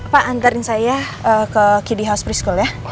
pak antarin saya ke kd house preschool ya